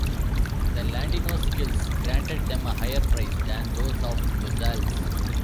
The Ladinos' skills granted them a higher price than those of "bozales".